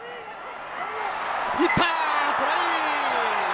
行った！トライ！